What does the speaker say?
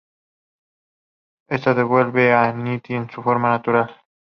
Éste devuelve a Ninette su forma natural.